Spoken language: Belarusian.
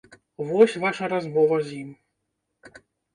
Вось ваша размова з ім.